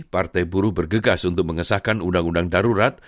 partai buruh bergegas untuk mengesahkan undang undang darurat